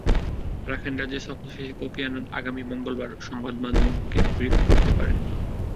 Rakhine রাজ্য সফর শেষে কফি আনান আগামী মঙ্গলবার সংবাদমাধ্যমকে ব্রিফ করতে পারেন।